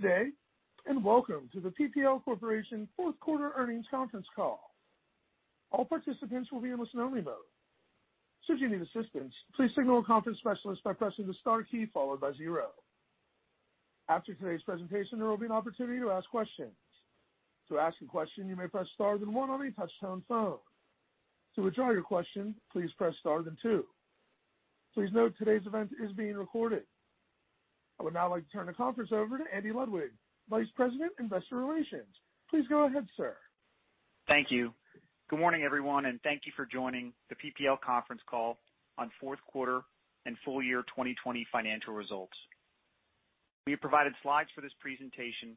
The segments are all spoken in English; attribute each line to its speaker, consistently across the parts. Speaker 1: Good day, and welcome to the PPL Corporation Q4 earnings conference call. I would now like to turn the conference over to Andy Ludwig, Vice President, Investor Relations. Please go ahead, sir.
Speaker 2: Thank you. Good morning, everyone. Thank you for joining the PPL conference call on Q4 and full year 2020 financial results. We have provided slides for this presentation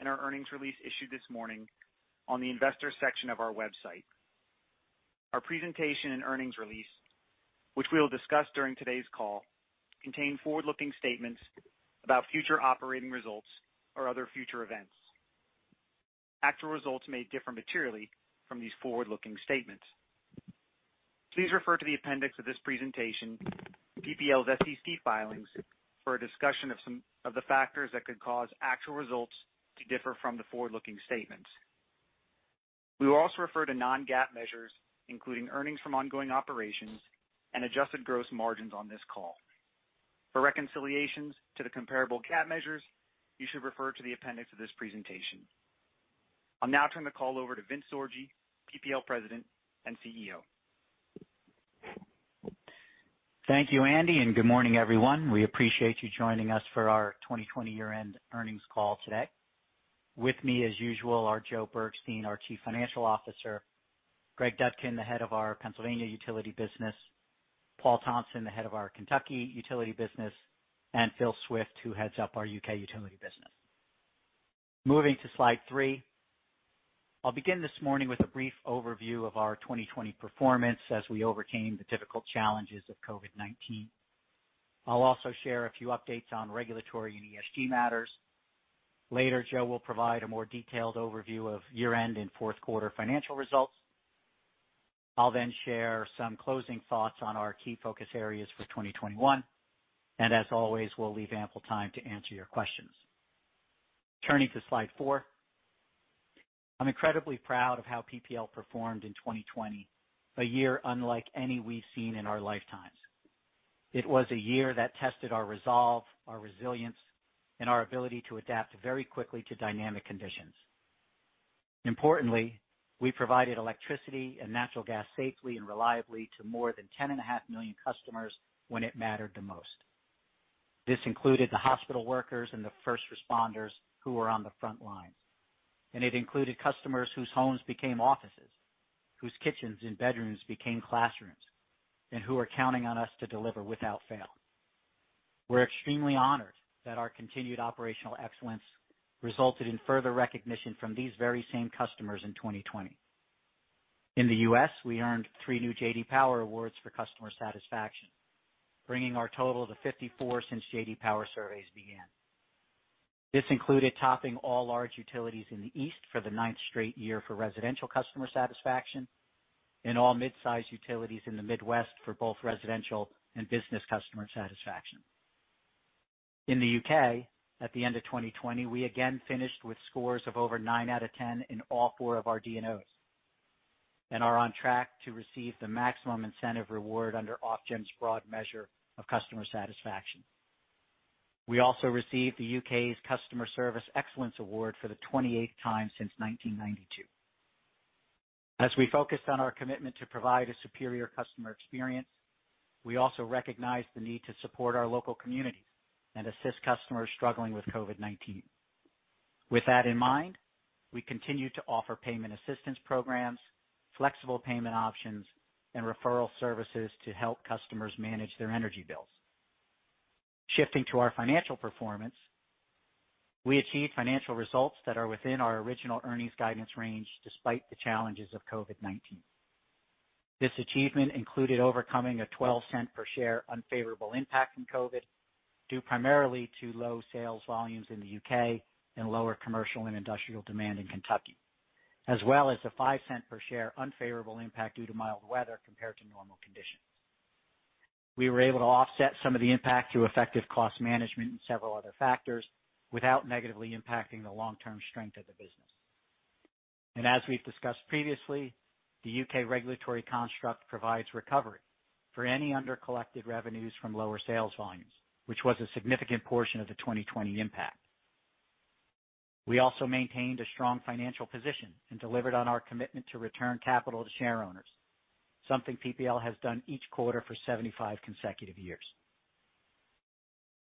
Speaker 2: in our earnings release issued this morning on the investor section of our website. Our presentation and earnings release, which we will discuss during today's call, contain forward-looking statements about future operating results or other future events. Actual results may differ materially from these forward-looking statements. Please refer to the appendix of this presentation, PPL's SEC filings, for a discussion of the factors that could cause actual results to differ from the forward-looking statements. We will also refer to non-GAAP measures, including earnings from ongoing operations and adjusted gross margins on this call. For reconciliations to the comparable GAAP measures, you should refer to the appendix of this presentation. I'll now turn the call over to Vince Sorgi, PPL President and CEO.
Speaker 3: Thank you, Andy, and good morning, everyone. We appreciate you joining us for our 2020 year-end earnings call today. With me as usual are Joe Bergstein, our Chief Financial Officer, Greg Dudkin, the head of our Pennsylvania utility business, Paul Thompson, the head of our Kentucky utility business, and Phil Swift, who heads up our U.K. utility business. Moving to slide three. I'll begin this morning with a brief overview of our 2020 performance as we overcame the difficult challenges of COVID-19. I'll also share a few updates on regulatory and ESG matters. Later, Joe will provide a more detailed overview of year-end and Q4 financial results. I'll then share some closing thoughts on our key focus areas for 2021, and as always, we'll leave ample time to answer your questions. Turning to slide four. I'm incredibly proud of how PPL performed in 2020, a year unlike any we've seen in our lifetimes. It was a year that tested our resolve, our resilience, and our ability to adapt very quickly to dynamic conditions. Importantly, we provided electricity and natural gas safely and reliably to more than 10 and a half million customers when it mattered the most. This included the hospital workers and the first responders who were on the front lines, and it included customers whose homes became offices, whose kitchens and bedrooms became classrooms, and who are counting on us to deliver without fail. We're extremely honored that our continued operational excellence resulted in further recognition from these very same customers in 2020. In the U.S., we earned three new J.D. Power awards for customer satisfaction, bringing our total to 54 since J.D. Power surveys began. This included topping all large utilities in the East for the ninth straight year for residential customer satisfaction and all mid-size utilities in the Midwest for both residential and business customer satisfaction. In the U.K., at the end of 2020, we again finished with scores of over nine out of 10 in all four of our DNOs and are on track to receive the maximum incentive reward under Ofgem's broad measure of customer satisfaction. We also received the U.K.'s Customer Service Excellence Award for the 28th time since 1992. As we focused on our commitment to provide a superior customer experience, we also recognized the need to support our local communities and assist customers struggling with COVID-19. With that in mind, we continue to offer payment assistance programs, flexible payment options, and referral services to help customers manage their energy bills. Shifting to our financial performance, we achieved financial results that are within our original earnings guidance range despite the challenges of COVID-19. This achievement included overcoming a $0.12 per share unfavorable impact from COVID, due primarily to low sales volumes in the U.K. and lower commercial and industrial demand in Kentucky, as well as the $0.05 per share unfavorable impact due to mild weather compared to normal conditions. We were able to offset some of the impact through effective cost management and several other factors without negatively impacting the long-term strength of the business. As we've discussed previously, the U.K. regulatory construct provides recovery for any under-collected revenues from lower sales volumes, which was a significant portion of the 2020 impact. We also maintained a strong financial position and delivered on our commitment to return capital to share owners, something PPL has done each quarter for 75 consecutive years.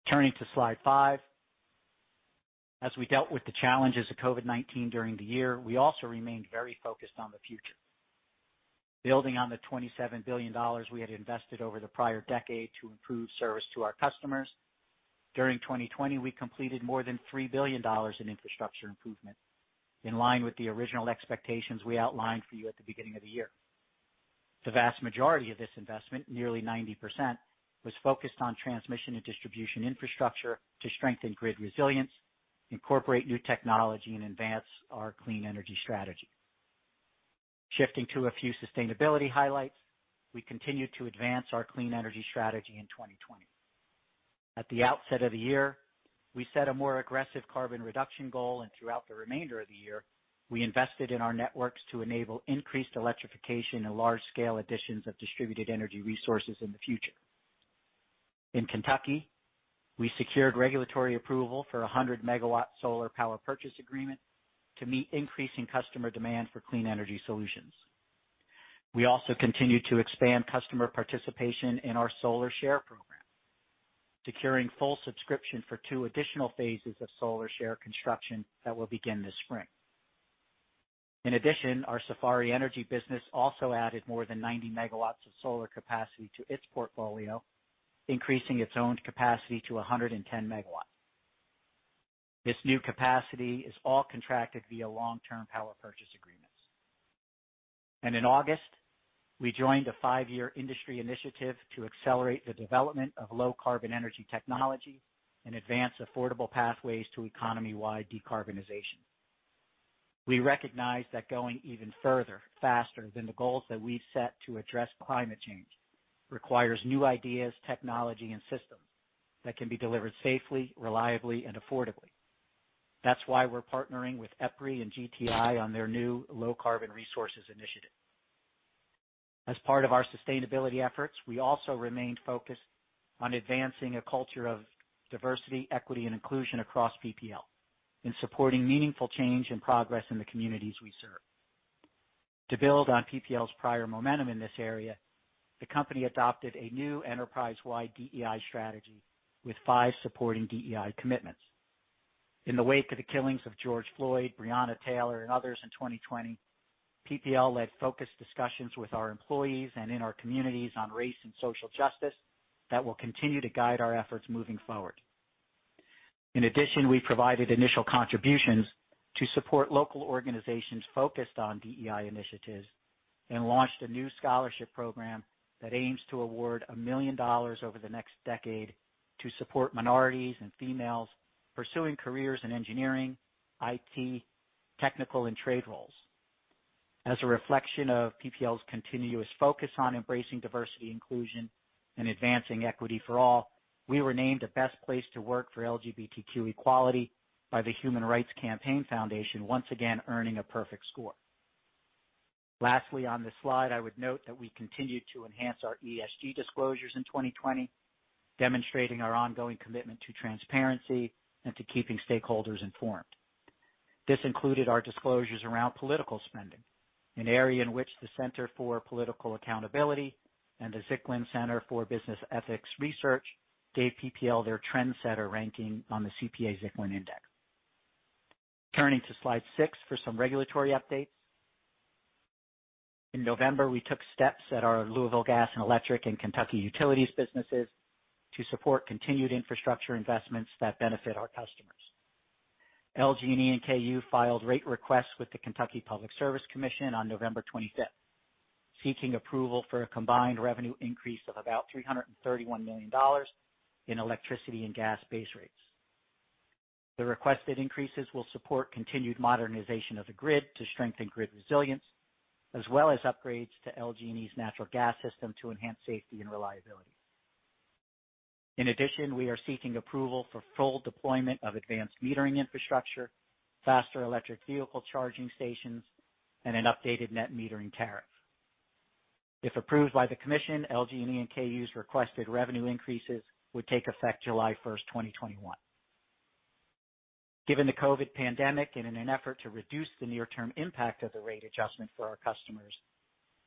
Speaker 3: Turning to slide five. As we dealt with the challenges of COVID-19 during the year, we also remained very focused on the future. Building on the $27 billion we had invested over the prior decade to improve service to our customers, during 2020, we completed more than $3 billion in infrastructure improvements, in line with the original expectations we outlined for you at the beginning of the year. The vast majority of this investment, nearly 90%, was focused on transmission and distribution infrastructure to strengthen grid resilience, incorporate new technology, and advance our clean energy strategy. Shifting to a few sustainability highlights. We continued to advance our clean energy strategy in 2020. At the outset of the year, we set a more aggressive carbon reduction goal, and throughout the remainder of the year, we invested in our networks to enable increased electrification and large-scale additions of distributed energy resources in the future. In Kentucky, we secured regulatory approval for 100 MW solar power purchase agreement to meet increasing customer demand for clean energy solutions. We also continued to expand customer participation in our Solar Share program, securing full subscription for two additional phases of Solar Share construction that will begin this spring. In addition, our Safari Energy business also added more than 90 MW of solar capacity to its portfolio, increasing its owned capacity to 110 MW. This new capacity is all contracted via long-term power purchase agreements. In August, we joined a five-year industry initiative to accelerate the development of low carbon energy technology and advance affordable pathways to economy-wide decarbonization. We recognize that going even further, faster than the goals that we've set to address climate change requires new ideas, technology, and systems that can be delivered safely, reliably, and affordably. That's why we're partnering with EPRI and GTI on their new Low-Carbon Resources Initiative. As part of our sustainability efforts, we also remained focused on advancing a culture of diversity, equity, and inclusion across PPL in supporting meaningful change and progress in the communities we serve. To build on PPL's prior momentum in this area, the company adopted a new enterprise-wide DEI strategy with five supporting DEI commitments. In the wake of the killings of George Floyd, Breonna Taylor, and others in 2020, PPL led focused discussions with our employees and in our communities on race and social justice that will continue to guide our efforts moving forward. In addition, we provided initial contributions to support local organizations focused on DEI initiatives and launched a new scholarship program that aims to award $1 million over the next decade to support minorities and females pursuing careers in engineering, IT, technical, and trade roles. As a reflection of PPL's continuous focus on embracing diversity, inclusion, and advancing equity for all, we were named a best place to work for LGBTQ equality by the Human Rights Campaign Foundation, once again earning a perfect score. Lastly, on this slide, I would note that we continued to enhance our ESG disclosures in 2020, demonstrating our ongoing commitment to transparency and to keeping stakeholders informed. This included our disclosures around political spending, an area in which the Center for Political Accountability and the Zicklin Center for Business Ethics Research gave PPL their trendsetter ranking on the CPA-Zicklin Index. Turning to slide six for some regulatory updates. In November, we took steps at our Louisville Gas and Electric and Kentucky Utilities businesses to support continued infrastructure investments that benefit our customers. LG&E and KU filed rate requests with the Kentucky Public Service Commission on November 25th, seeking approval for a combined revenue increase of about $331 million in electricity and gas base rates. The requested increases will support continued modernization of the grid to strengthen grid resilience, as well as upgrades to LG&E's natural gas system to enhance safety and reliability. In addition, we are seeking approval for full deployment of advanced metering infrastructure, faster electric vehicle charging stations, and an updated net metering tariff. If approved by the commission, LG&E and KU's requested revenue increases would take effect July 1st, 2021. Given the COVID pandemic and in an effort to reduce the near-term impact of the rate adjustment for our customers,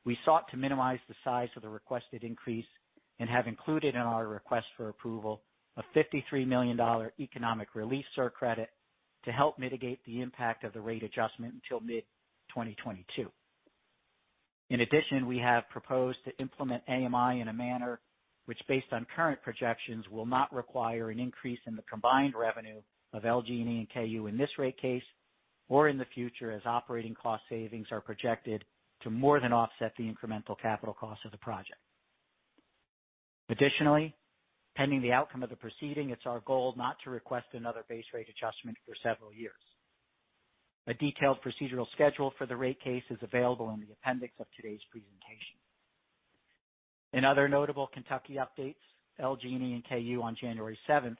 Speaker 3: we sought to minimize the size of the requested increase and have included in our request for approval a $53 million economic relief surcredit to help mitigate the impact of the rate adjustment until mid-2022. In addition, we have proposed to implement AMI in a manner which, based on current projections, will not require an increase in the combined revenue of LG&E and KU in this rate case or in the future as operating cost savings are projected to more than offset the incremental capital cost of the project. Additionally, pending the outcome of the proceeding, it's our goal not to request another base rate adjustment for several years. A detailed procedural schedule for the rate case is available in the appendix of today's presentation. In other notable Kentucky updates, LG&E and KU on January 7th,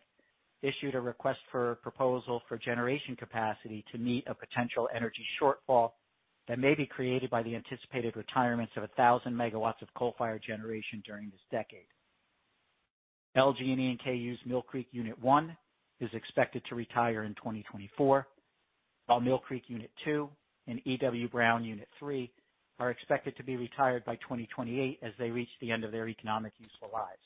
Speaker 3: issued a request for proposal for generation capacity to meet a potential energy shortfall that may be created by the anticipated retirements of 1,000 MW of coal-fired generation during this decade. LG&E and KU's Mill Creek Unit 1 is expected to retire in 2024, while Mill Creek Unit 2 and E.W. Brown Unit 3 are expected to be retired by 2028 as they reach the end of their economic useful lives.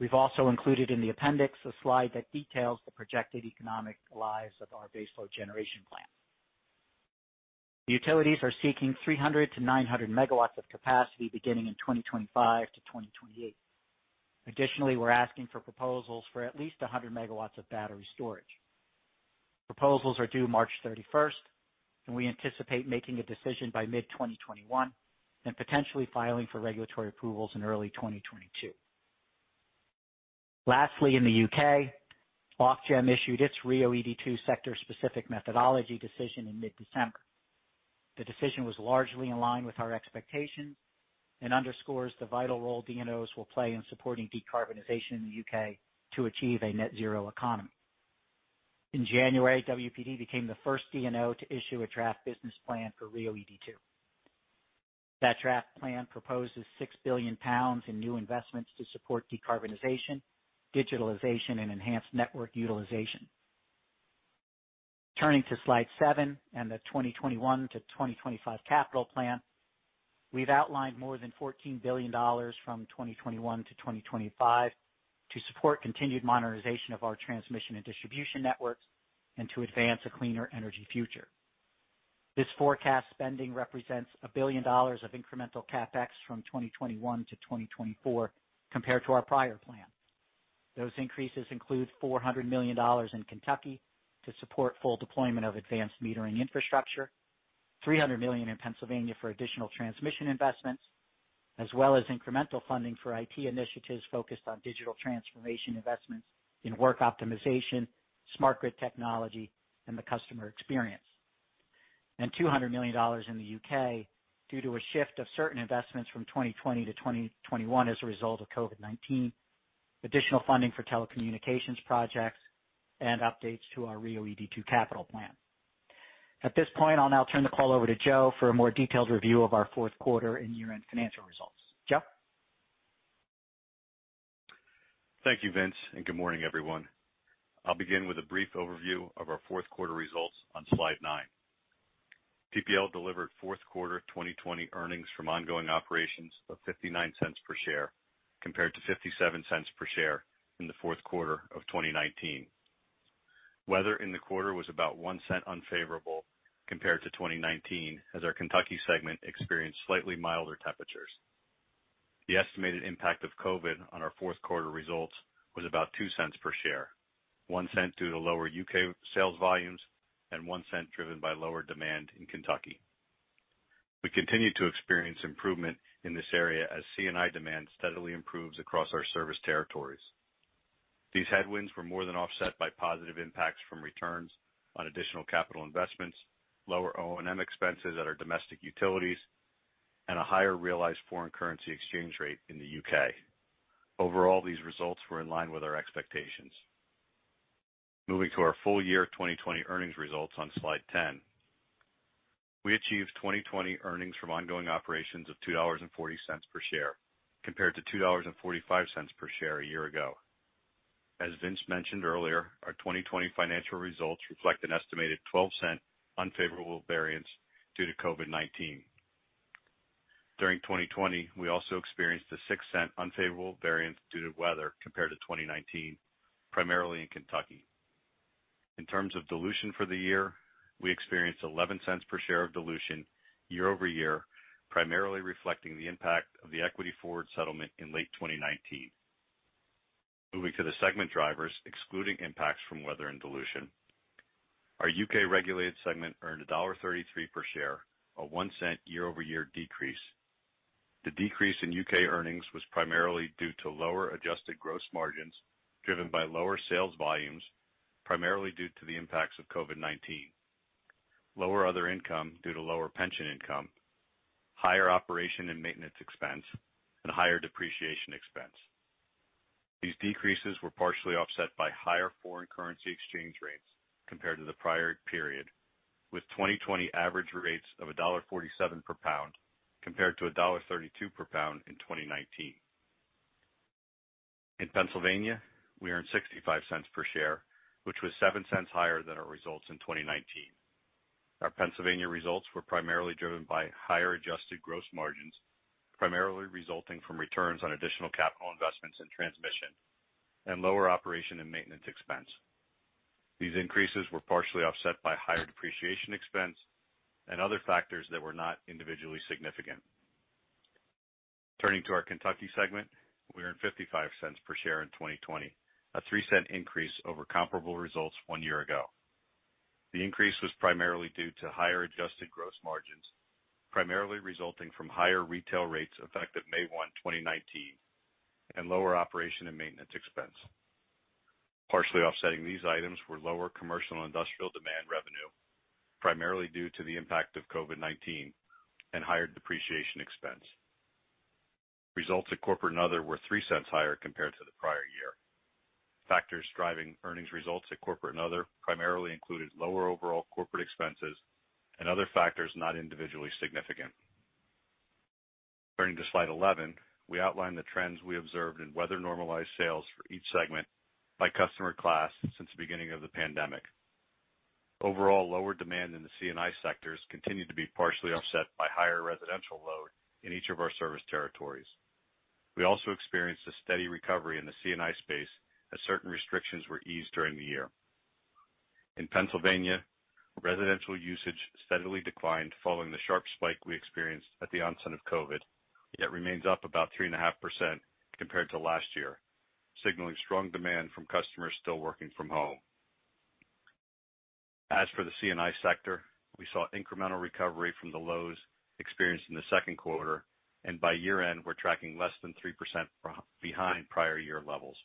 Speaker 3: We've also included in the appendix a slide that details the projected economic lives of our baseload generation plant. The utilities are seeking 300-900 megawatts of capacity beginning in 2025-2028. Additionally, we're asking for proposals for at least 100 megawatts of battery storage. Proposals are due March 31st, and we anticipate making a decision by mid-2021 and potentially filing for regulatory approvals in early 2022. In the U.K., Ofgem issued its RIIO-ED2 sector-specific methodology decision in mid-December. The decision was largely in line with our expectations and underscores the vital role DNOs will play in supporting decarbonization in the U.K. to achieve a net zero economy. In January, WPD became the first DNO to issue a draft business plan for RIIO-ED2. That draft plan proposes 6 billion pounds in new investments to support decarbonization, digitalization, and enhanced network utilization. Turning to slide seven and the 2021-2025 capital plan. We've outlined more than $14 billion from 2021-2025 to support continued modernization of our transmission and distribution networks and to advance a cleaner energy future. This forecast spending represents $1 billion of incremental CapEx from 2021-2024 compared to our prior plan. Those increases include $400 million in Kentucky to support full deployment of advanced metering infrastructure, $300 million in Pennsylvania for additional transmission investments, as well as incremental funding for IT initiatives focused on digital transformation investments in work optimization, smart grid technology, and the customer experience. $200 million in the U.K. due to a shift of certain investments from 2020-2021 as a result of COVID-19, additional funding for telecommunications projects, and updates to our RIIO-ED2 capital plan. At this point, I'll now turn the call over to Joe for a more detailed review of our Q4 and year-end financial results. Joe?
Speaker 4: Thank you, Vince, and good morning, everyone. I'll begin with a brief overview of our Q4 results on slide nine. PPL delivered Q4 2020 earnings from ongoing operations of $0.59 per share, compared to $0.57 per share in the Q4 of 2019. Weather in the quarter was about $0.01 unfavorable compared to 2019, as our Kentucky segment experienced slightly milder temperatures. The estimated impact of COVID on our Q4 results was about $0.02 per share, $0.01 due to lower U.K. sales volumes and $0.01 driven by lower demand in Kentucky. We continue to experience improvement in this area as C&I demand steadily improves across our service territories. These headwinds were more than offset by positive impacts from returns on additional capital investments, lower O&M expenses at our domestic utilities, and a higher realized foreign currency exchange rate in the U.K. Overall, these results were in line with our expectations. Moving to our full year 2020 earnings results on slide 10. We achieved 2020 earnings from ongoing operations of $2.40 per share, compared to $2.45 per share a year ago. As Vince mentioned earlier, our 2020 financial results reflect an estimated $0.12 unfavorable variance due to COVID-19. During 2020, we also experienced a $0.06 unfavorable variance due to weather compared to 2019, primarily in Kentucky. In terms of dilution for the year, we experienced $0.11 per share of dilution year-over-year, primarily reflecting the impact of the equity forward settlement in late 2019. Moving to the segment drivers, excluding impacts from weather and dilution. Our U.K. regulated segment earned $1.33 per share, a $0.01 year-over-year decrease. The decrease in U.K. earnings was primarily due to lower adjusted gross margins, driven by lower sales volumes, primarily due to the impacts of COVID-19, lower other income due to lower pension income, higher operation and maintenance expense, and higher depreciation expense. These decreases were partially offset by higher foreign currency exchange rates compared to the prior period, with 2020 average rates of $1.47 per pound compared to $1.32 per pound in 2019. In Pennsylvania, we earned $0.65 per share, which was $0.07 higher than our results in 2019. Our Pennsylvania results were primarily driven by higher adjusted gross margins, primarily resulting from returns on additional capital investments in transmission and lower operation and maintenance expense. These increases were partially offset by higher depreciation expense and other factors that were not individually significant. Turning to our Kentucky segment, we earned $0.55 per share in 2020, a $0.03 increase over comparable results one year ago. The increase was primarily due to higher adjusted gross margins, primarily resulting from higher retail rates effective May 1st, 2019 and lower operation and maintenance expense. Partially offsetting these items were lower commercial and industrial demand revenue, primarily due to the impact of COVID-19 and higher depreciation expense. Results at Corporate and Other were $0.03 higher compared to the prior year. Factors driving earnings results at Corporate and Other primarily included lower overall corporate expenses and other factors not individually significant. Turning to slide 11, we outline the trends we observed in weather-normalized sales for each segment by customer class since the beginning of the pandemic. Overall, lower demand in the C&I sectors continued to be partially offset by higher residential load in each of our service territories. We also experienced a steady recovery in the C&I space as certain restrictions were eased during the year. In Pennsylvania, residential usage steadily declined following the sharp spike we experienced at the onset of COVID, yet remains up about 3.5% compared to last year, signaling strong demand from customers still working from home. As for the C&I sector, we saw incremental recovery from the lows experienced in the Q2, and by year-end, we're tracking less than 3% behind prior year levels.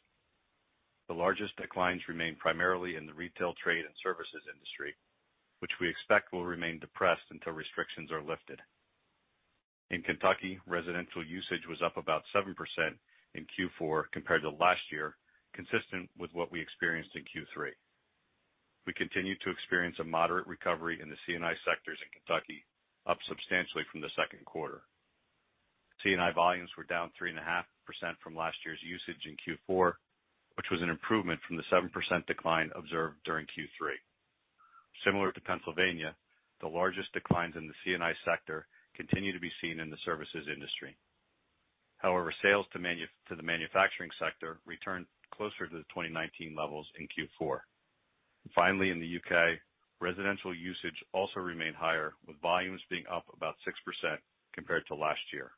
Speaker 4: The largest declines remain primarily in the retail trade and services industry, which we expect will remain depressed until restrictions are lifted. In Kentucky, residential usage was up about 7% in Q4 compared to last year, consistent with what we experienced in Q3. We continued to experience a moderate recovery in the C&I sectors in Kentucky, up substantially from the Q2. C&I volumes were down 3.5% from last year's usage in Q4, which was an improvement from the 7% decline observed during Q3. Similar to Pennsylvania, the largest declines in the C&I sector continue to be seen in the services industry. However, sales to the manufacturing sector returned closer to the 2019 levels in Q4. Finally, in the U.K., residential usage also remained higher, with volumes being up about 6% compared to last year.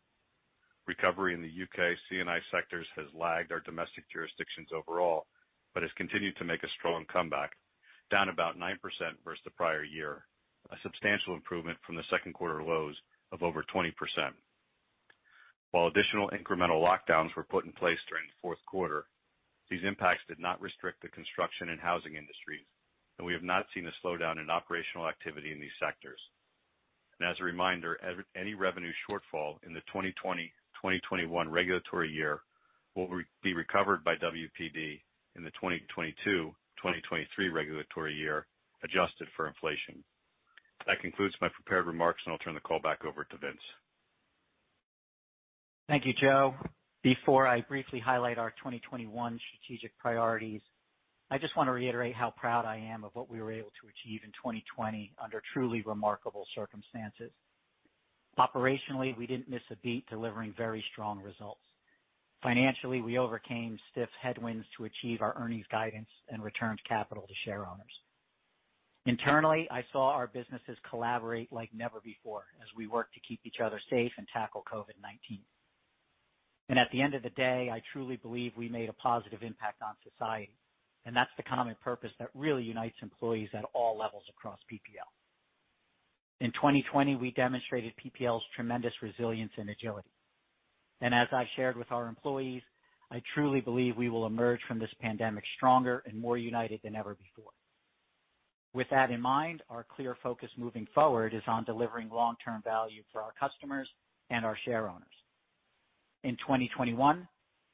Speaker 4: Recovery in the U.K. C&I sectors has lagged our domestic jurisdictions overall, but has continued to make a strong comeback, down about 9% versus the prior year, a substantial improvement from the Q2 lows of over 20%. While additional incremental lockdowns were put in place during the Q4, these impacts did not restrict the construction and housing industries, and we have not seen a slowdown in operational activity in these sectors. As a reminder, any revenue shortfall in the 2020-2021 regulatory year will be recovered by WPD in the 2022-2023 regulatory year, adjusted for inflation. That concludes my prepared remarks, and I'll turn the call back over to Vince.
Speaker 3: Thank you, Joe. Before I briefly highlight our 2021 strategic priorities, I just want to reiterate how proud I am of what we were able to achieve in 2020 under truly remarkable circumstances. Operationally, we didn't miss a beat, delivering very strong results. Financially, we overcame stiff headwinds to achieve our earnings guidance and returned capital to share owners. Internally, I saw our businesses collaborate like never before as we work to keep each other safe and tackle COVID-19. At the end of the day, I truly believe we made a positive impact on society, and that's the common purpose that really unites employees at all levels across PPL. In 2020, we demonstrated PPL's tremendous resilience and agility. As I shared with our employees, I truly believe we will emerge from this pandemic stronger and more united than ever before. With that in mind, our clear focus moving forward is on delivering long-term value for our customers and our share owners. In 2021,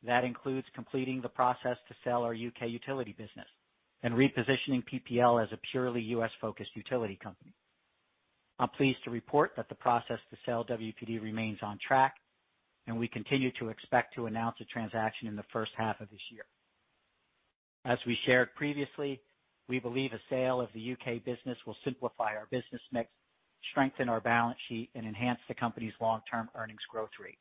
Speaker 3: that includes completing the process to sell our U.K. utility business and repositioning PPL as a purely U.S.-focused utility company. I'm pleased to report that the process to sell WPD remains on track, and we continue to expect to announce a transaction in the H1 of this year. As we shared previously, we believe a sale of the U.K. business will simplify our business mix, strengthen our balance sheet, and enhance the company's long-term earnings growth rate.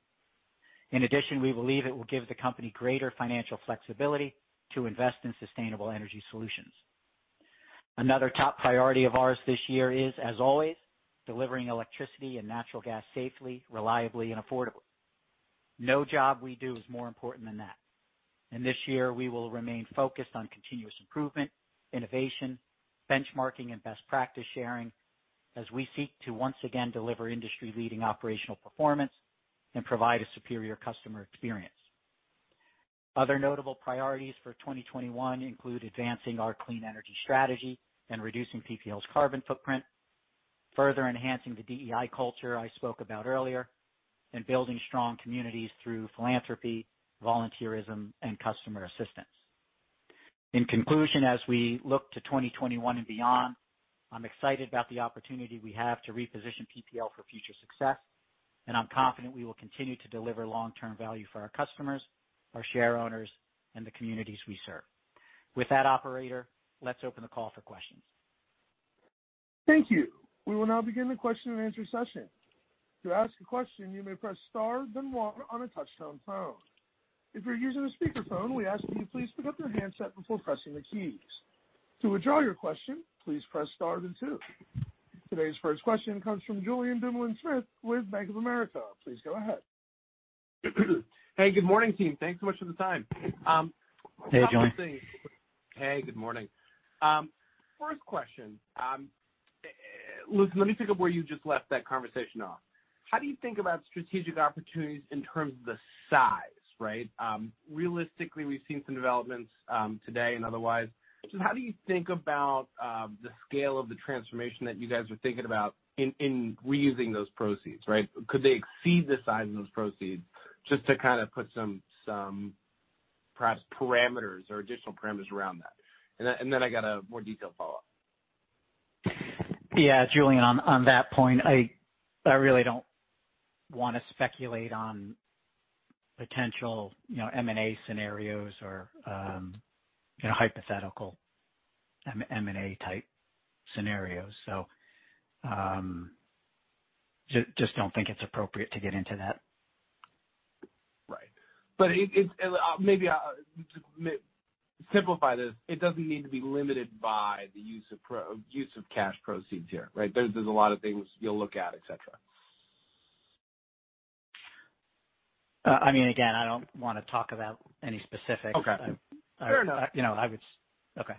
Speaker 3: In addition, we believe it will give the company greater financial flexibility to invest in sustainable energy solutions. Another top priority of ours this year is, as always, delivering electricity and natural gas safely, reliably, and affordably. No job we do is more important than that. This year, we will remain focused on continuous improvement, innovation, benchmarking, and best practice sharing as we seek to, once again, deliver industry-leading operational performance and provide a superior customer experience. Other notable priorities for 2021 include advancing our clean energy strategy and reducing PPL's carbon footprint, further enhancing the DEI culture I spoke about earlier, and building strong communities through philanthropy, volunteerism, and customer assistance. In conclusion, as we look to 2021 and beyond, I'm excited about the opportunity we have to reposition PPL for future success, and I'm confident we will continue to deliver long-term value for our customers, our share owners, and the communities we serve. With that, operator, let's open the call for questions.
Speaker 1: Thank you. We will now begin the question and answer session. To ask a question, you may press star, then one on a touch-tone phone. If you're using a speakerphone, we ask that you please pick up your handset before pressing the keys. To withdraw your question, please press star then two. Today's first question comes from Julien Dumoulin-Smith with Bank of America. Please go ahead.
Speaker 5: Hey, good morning, team. Thanks so much for the time.
Speaker 4: Hey, Julien.
Speaker 5: Hey, good morning. First question. Listen, let me pick up where you just left that conversation off. How do you think about strategic opportunities in terms of the size, right? Realistically, we've seen some developments today and otherwise. How do you think about the scale of the transformation that you guys are thinking about in reusing those proceeds, right? Could they exceed the size of those proceeds? Just to kind of put some perhaps parameters or additional parameters around that. Then I got a more detailed follow-up.
Speaker 3: Yeah. Julien, on that point, I really don't want to speculate on potential M&A scenarios or hypothetical M&A type scenarios. Just don't think it's appropriate to get into that.
Speaker 5: Right. Maybe to simplify this, it doesn't need to be limited by the use of cash proceeds here, right? There's a lot of things you'll look at, et cetera.
Speaker 3: Again, I don't want to talk about any specifics.
Speaker 5: Okay.
Speaker 3: I was Okay.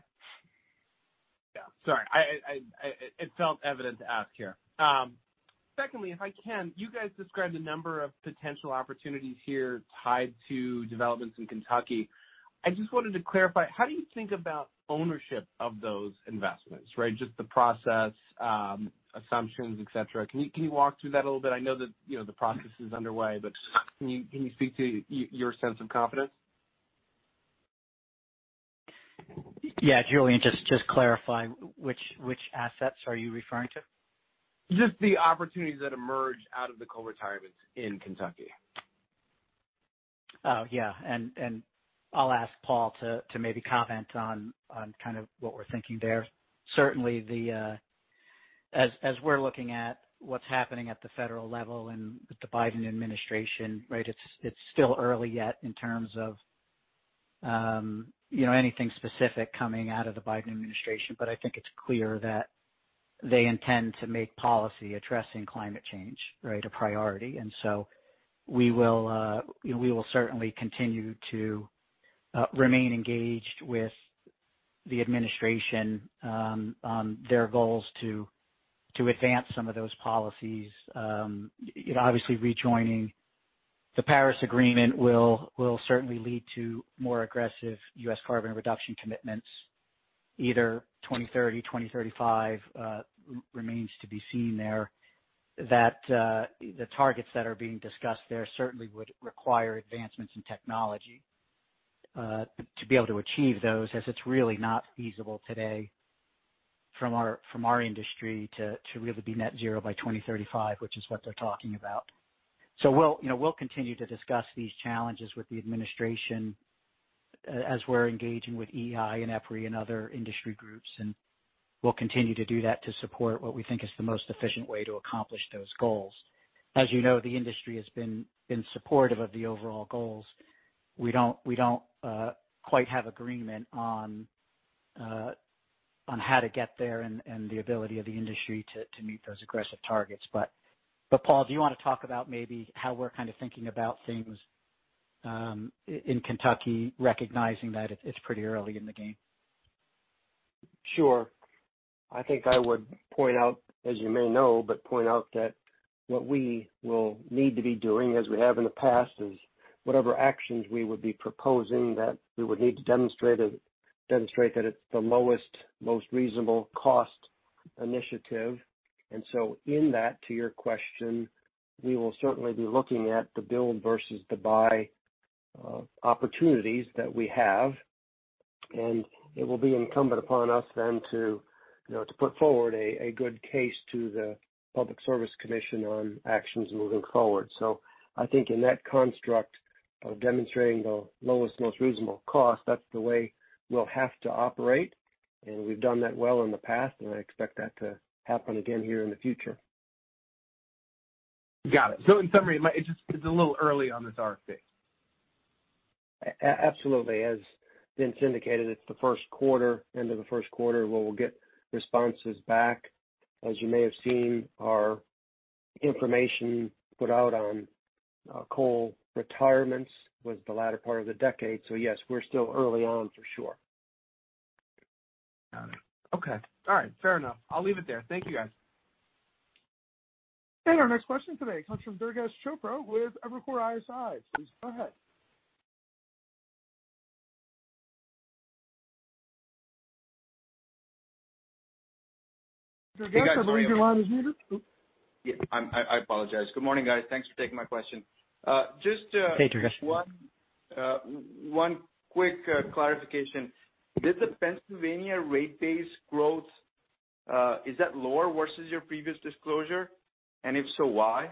Speaker 5: Yeah, sorry. It felt evident to ask here. Secondly, if I can, you guys described a number of potential opportunities here tied to developments in Kentucky. I just wanted to clarify, how do you think about ownership of those investments, right? Just the process, assumptions, et cetera. Can you walk through that a little bit? I know that the process is underway, but can you speak to your sense of confidence?
Speaker 3: Yeah. Julien, just clarify which assets are you referring to?
Speaker 5: Just the opportunities that emerge out of the coal retirements in Kentucky.
Speaker 3: Oh, yeah. I'll ask Paul to maybe comment on what we're thinking there. Certainly, as we're looking at what's happening at the federal level and with the Biden administration, right? It's still early yet in terms of anything specific coming out of the Biden administration. I think it's clear that they intend to make policy addressing climate change, right, a priority. We will certainly continue to remain engaged with the administration on their goals to advance some of those policies. Obviously rejoining the Paris Agreement will certainly lead to more aggressive U.S. carbon reduction commitments, either 2030, 2035, remains to be seen there, that the targets that are being discussed there certainly would require advancements in technology, to be able to achieve those, as it's really not feasible today from our industry to really be net zero by 2035, which is what they're talking about. We'll continue to discuss these challenges with the administration as we're engaging with EEI and EPRI and other industry groups. We'll continue to do that to support what we think is the most efficient way to accomplish those goals. As you know, the industry has been supportive of the overall goals. We don't quite have agreement on how to get there and the ability of the industry to meet those aggressive targets. Paul, do you want to talk about maybe how we're kind of thinking about things in Kentucky, recognizing that it's pretty early in the game?
Speaker 6: Sure. I think I would point out, as you may know, but point out that what we will need to be doing, as we have in the past, is whatever actions we would be proposing that we would need to demonstrate that it's the lowest, most reasonable cost initiative. In that, to your question, we will certainly be looking at the build versus the buy opportunities that we have, and it will be incumbent upon us then to put forward a good case to the Public Service Commission on actions moving forward. I think in that construct of demonstrating the lowest, most reasonable cost, that's the way we'll have to operate, and we've done that well in the past, and I expect that to happen again here in the future.
Speaker 5: Got it. In summary, it's a little early on this RFP.
Speaker 6: Absolutely. As Vince indicated, it's the Q1, end of the Q1 where we'll get responses back. As you may have seen, our information put out on coal retirements was the latter part of the decade. Yes, we're still early on for sure.
Speaker 5: Got it. Okay. All right. Fair enough. I'll leave it there. Thank you, guys.
Speaker 1: Our next question today comes from Durgesh Chopra with Evercore ISI. Please go ahead. Durgesh, I believe your line is muted.
Speaker 7: Yeah, I apologize. Good morning, guys. Thanks for taking my question.
Speaker 3: Hey, Durgesh.
Speaker 7: Just one quick clarification. Did the Pennsylvania rate base growth, is that lower versus your previous disclosure? If so, why?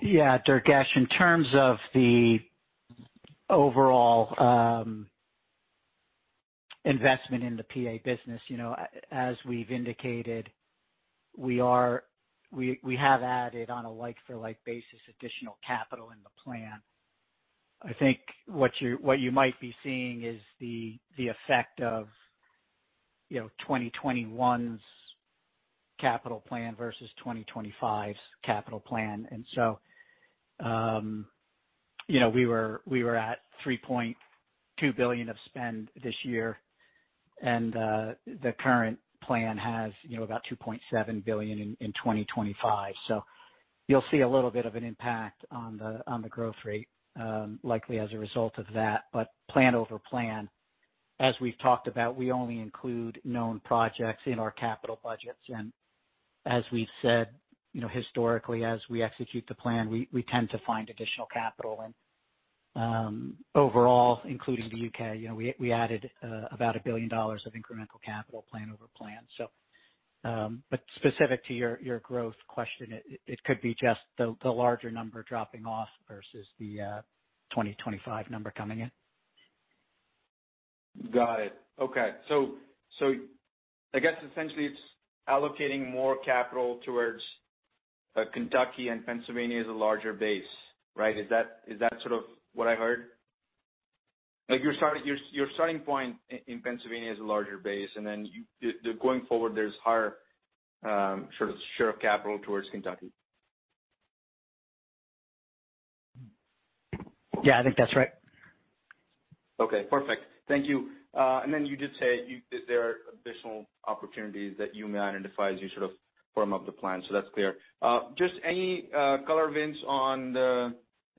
Speaker 3: Yeah. Durgesh, in terms of the overall investment in the PA business, as we've indicated, we have added on a like for like basis additional capital in the plan. I think what you might be seeing is the effect of 2021's capital plan versus 2025's capital plan. We were at $3.2 billion of spend this year, and the current plan has about $2.7 billion in 2025. You'll see a little bit of an impact on the growth rate, likely as a result of that. Plan over plan, as we've talked about, we only include known projects in our capital budgets. As we've said, historically, as we execute the plan, we tend to find additional capital. Overall, including the U.K., we added about $1 billion of incremental capital plan over plan. Specific to your growth question, it could be just the larger number dropping off versus the 2025 number coming in.
Speaker 7: Got it. Okay. I guess essentially it's allocating more capital towards. Kentucky and Pennsylvania is a larger base, right? Is that sort of what I heard? Your starting point in Pennsylvania is a larger base, and then going forward, there's higher share of capital towards Kentucky.
Speaker 3: Yeah, I think that's right.
Speaker 7: Okay, perfect. Thank you. You did say there are additional opportunities that you may identify as you form up the plan. That's clear. Just any color, Vince, on the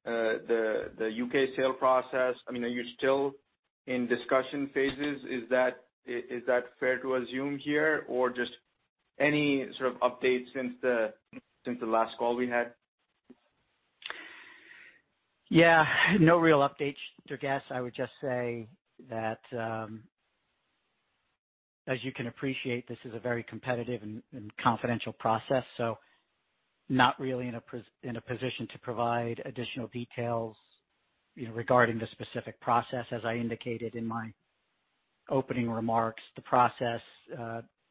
Speaker 7: U.K. sale process? Are you still in discussion phases? Is that fair to assume here? Just any sort of update since the last call we had?
Speaker 3: Yeah. No real update, Durgesh. I would just say that, as you can appreciate, this is a very competitive and confidential process, so not really in a position to provide additional details regarding the specific process. As I indicated in my opening remarks, the process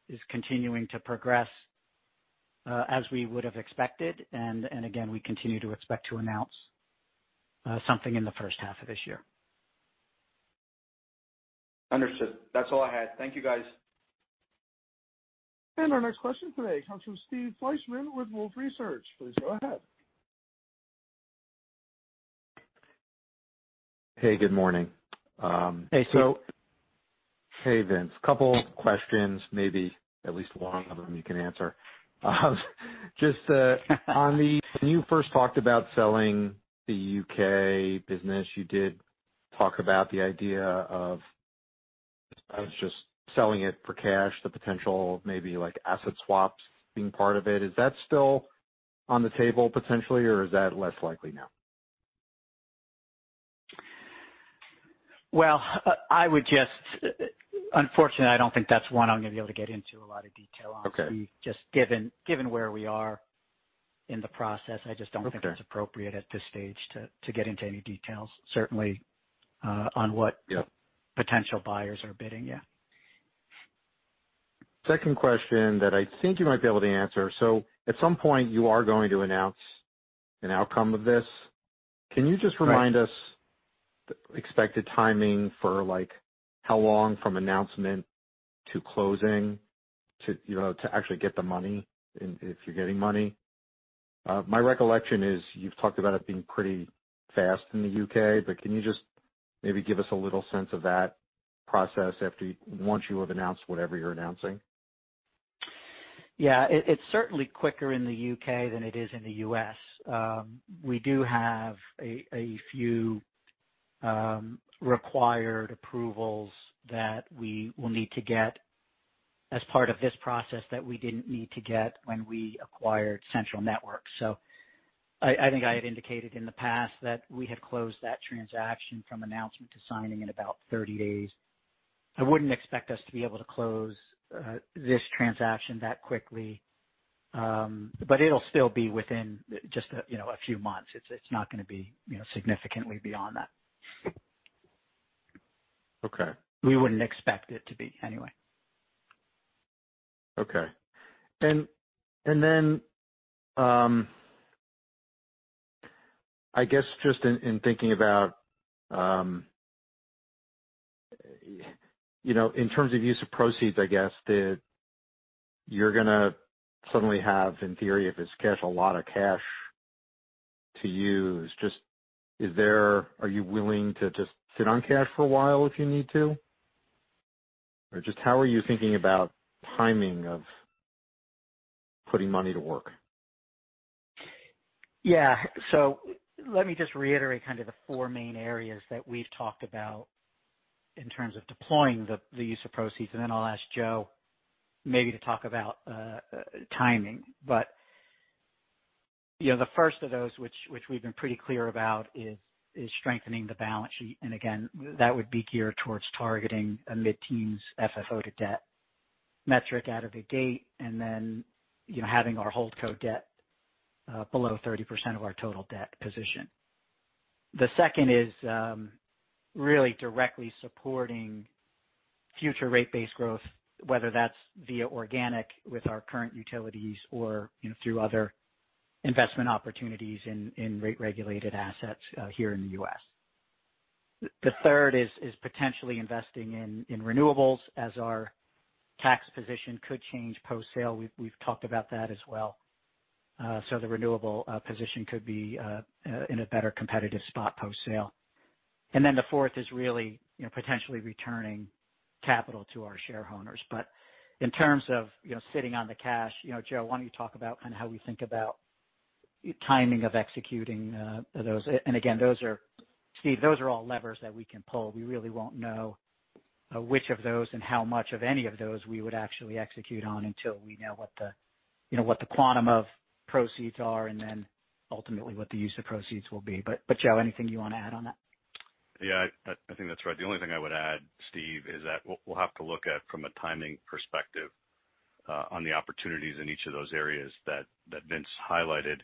Speaker 3: is continuing to progress as we would have expected. Again, we continue to expect to announce something in the H1 of this year.
Speaker 7: Understood. That's all I had. Thank you, guys.
Speaker 1: Our next question today comes from Steve Fleishman with Wolfe Research. Please go ahead.
Speaker 8: Hey, good morning.
Speaker 3: Hey, Steve.
Speaker 8: Hey, Vince. Couple questions, maybe at least one of them you can answer. When you first talked about selling the U.K. business, you did talk about the idea of just selling it for cash, the potential maybe asset swaps being part of it. Is that still on the table potentially, or is that less likely now?
Speaker 3: Well, unfortunately, I don't think that's one I'm going to be able to get into a lot of detail on.
Speaker 8: Okay.
Speaker 3: Just given where we are in the process, I just don't think.
Speaker 8: Okay
Speaker 3: it's appropriate at this stage to get into any details.
Speaker 8: Yeah
Speaker 3: potential buyers are bidding. Yeah.
Speaker 8: Second question that I think you might be able to answer. At some point, you are going to announce an outcome of this.
Speaker 3: Right.
Speaker 8: Can you just remind us the expected timing for how long from announcement to closing to actually get the money if you're getting money? My recollection is you've talked about it being pretty fast in the U.K., can you just maybe give us a little sense of that process after you-- once you have announced whatever you're announcing?
Speaker 3: It's certainly quicker in the U.K. than it is in the U.S. We do have a few required approvals that we will need to get as part of this process that we didn't need to get when we acquired Central Networks. I think I had indicated in the past that we had closed that transaction from announcement to signing in about 30 days. I wouldn't expect us to be able to close this transaction that quickly. It'll still be within just a few months. It's not going to be significantly beyond that.
Speaker 8: Okay.
Speaker 3: We wouldn't expect it to be anyway.
Speaker 8: Okay. I guess, just in thinking about in terms of use of proceeds, I guess that you're going to suddenly have, in theory, if it's cash, a lot of cash to use. Are you willing to just sit on cash for a while if you need to? Just how are you thinking about timing of putting money to work?
Speaker 3: Yeah. Let me just reiterate kind of the four main areas that we've talked about in terms of deploying the use of proceeds, and then I'll ask Joe maybe to talk about timing. The first of those, which we've been pretty clear about is strengthening the balance sheet. Again, that would be geared towards targeting a mid-teens FFO to debt metric out of the gate and then having our holdco debt below 30% of our total debt position. The second is really directly supporting future rate base growth, whether that's via organic with our current utilities or through other investment opportunities in rate-regulated assets here in the U.S. The third is potentially investing in renewables as our tax position could change post-sale. We've talked about that as well. The renewable position could be in a better competitive spot post-sale. The fourth is really potentially returning capital to our shareholders. In terms of sitting on the cash, Joe, why don't you talk about kind of how we think about timing of executing those. Again, Steve, those are all levers that we can pull. We really won't know which of those and how much of any of those we would actually execute on until we know what the quantum of proceeds are and then ultimately what the use of proceeds will be. Joe, anything you want to add on that?
Speaker 4: Yeah, I think that's right. The only thing I would add, Steve, is that we'll have to look at from a timing perspective on the opportunities in each of those areas that Vince highlighted.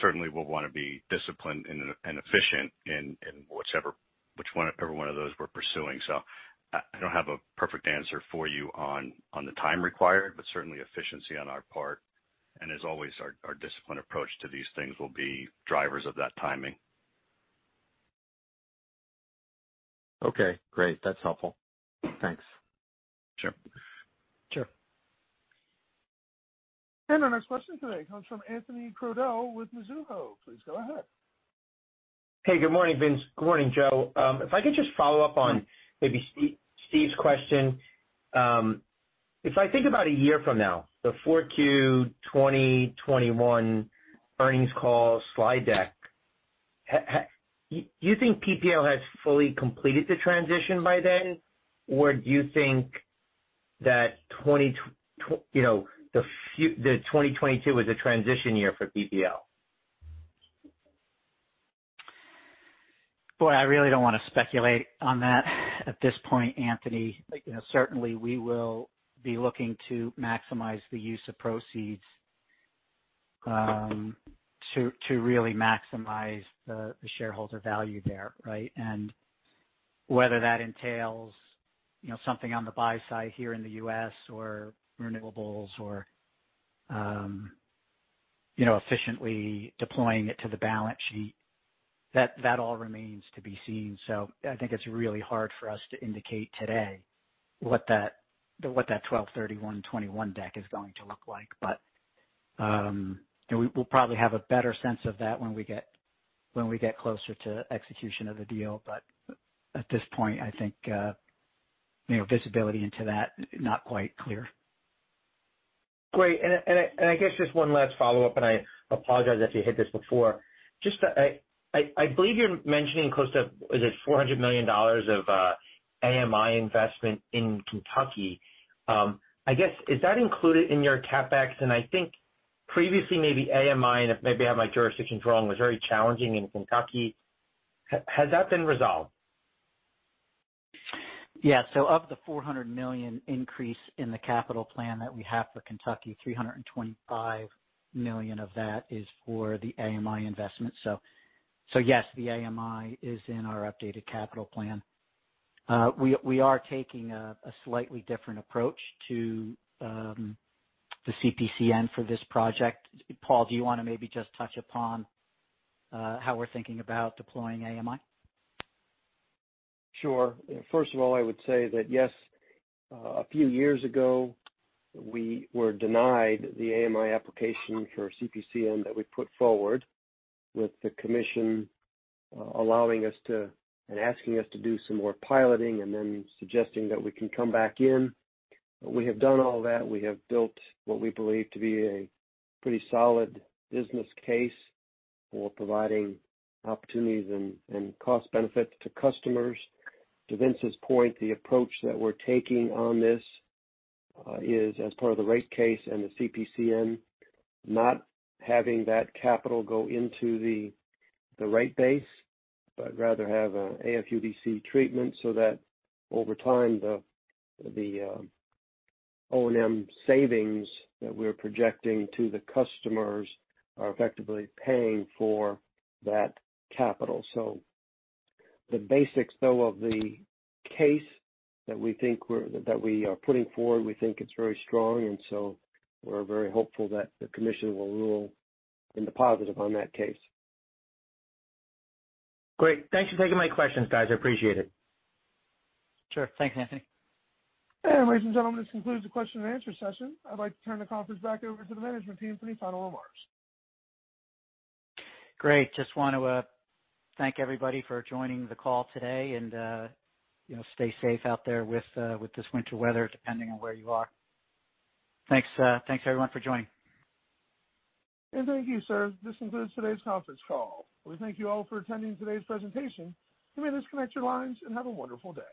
Speaker 4: Certainly we'll want to be disciplined and efficient in whichever one of those we're pursuing. I don't have a perfect answer for you on the time required. Certainly efficiency on our part, and as always, our disciplined approach to these things will be drivers of that timing.
Speaker 8: Okay, great. That is helpful. Thanks.
Speaker 4: Sure.
Speaker 3: Sure.
Speaker 1: Our next question today comes from Anthony Prudhoe with Mizuho. Please go ahead.
Speaker 9: Hey, good morning, Vince. Good morning, Joe. If I could just follow up on maybe Steve's question. If I think about a year from now, the Q4 2021 earnings call slide deck, do you think PPL has fully completed the transition by then? Do you think that 2022 was a transition year for PPL?
Speaker 3: Boy, I really don't want to speculate on that at this point, Anthony. We will be looking to maximize the use of proceeds to really maximize the shareholder value there, right? Whether that entails something on the buy side here in the U.S. or renewables or efficiently deploying it to the balance sheet, that all remains to be seen. I think it's really hard for us to indicate today what that 12/31/2021 deck is going to look like. We'll probably have a better sense of that when we get closer to execution of the deal. At this point, I think, visibility into that is not quite clear.
Speaker 9: Great. I guess just one last follow-up, I apologize if you hit this before. I believe you're mentioning close to, is it $400 million of AMI investment in Kentucky? I guess, is that included in your CapEx? I think previously maybe AMI, if maybe I have my jurisdictions wrong, was very challenging in Kentucky. Has that been resolved?
Speaker 3: Yeah. Of the $400 million increase in the capital plan that we have for Kentucky, $325 million of that is for the AMI investment. Yes, the AMI is in our updated capital plan. We are taking a slightly different approach to the CPCN for this project. Paul, do you want to maybe just touch upon how we're thinking about deploying AMI?
Speaker 6: Sure. First of all, I would say that, yes, a few years ago, we were denied the AMI application for CPCN that we put forward with the commission allowing us to and asking us to do some more piloting and then suggesting that we can come back in. We have done all that. We have built what we believe to be a pretty solid business case for providing opportunities and cost benefits to customers. To Vince's point, the approach that we're taking on this is as part of the rate case and the CPCN, not having that capital go into the rate base, but rather have an AFUDC treatment so that over time, the O&M savings that we're projecting to the customers are effectively paying for that capital. The basics, though, of the case that we are putting forward, we think it's very strong, and so we're very hopeful that the commission will rule in the positive on that case.
Speaker 9: Great. Thanks for taking my questions, guys. I appreciate it.
Speaker 3: Sure. Thanks, Anthony.
Speaker 1: Ladies and gentlemen, this concludes the question and answer session. I'd like to turn the conference back over to the management team for any final remarks.
Speaker 3: Great. Just want to thank everybody for joining the call today and stay safe out there with this winter weather, depending on where you are. Thanks everyone for joining.
Speaker 1: Thank you, sir. This concludes today's conference call. We thank you all for attending today's presentation. You may disconnect your lines, and have a wonderful day.